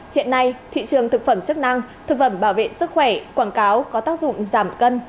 hiện nay thị trường thực phẩm chức năng thực phẩm bảo vệ sức khỏe quảng cáo có tác dụng giảm cân